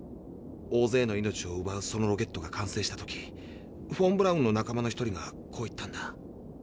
大ぜいの命をうばうそのロケットが完成した時フォン・ブラウンの仲間の一人がこう言ったんだ。